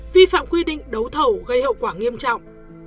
vi phạm quy định đấu thầu gây hậu quả nghiêm trọng